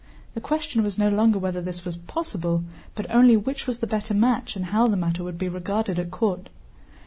The question was no longer whether this was possible, but only which was the better match and how the matter would be regarded at court.